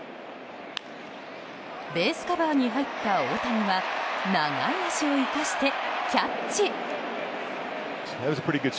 ベースカバーに入った大谷は長い足を生かしてキャッチ！